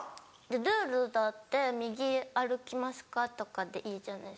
ルールだって「右歩きますか？」とかでいいじゃないですか。